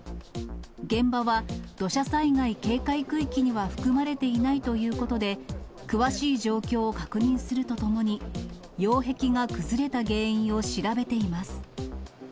現場は土砂災害警戒区域には含まれていないということで、詳しい状況を確認するとともに、擁壁が崩れた原因を調べています。